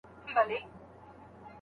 یو څو نومونه څو جنډۍ د شهیدانو پاته